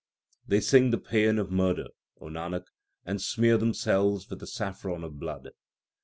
They sing the paean of murder, O Nanak, and smear themselves with the saffron of blood.